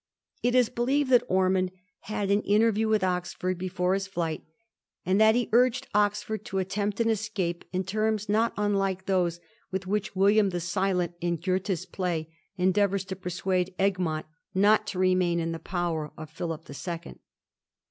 It is believed that Ormond had an interview with Oxford before his flight, and that he urged Oxford to attempt an escape in terms not unlike those with which William the Silent in Goethe's play endeavours to persuade Egmont not to remain in the power of Philip the Second.